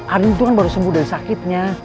arin itu kan baru sembuh dari sakitnya